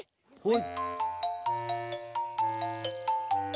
はい！